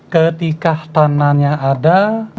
ketika tanahnya ada